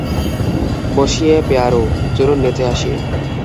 মসিয়ে Poirot, চলুন নেচে আসি!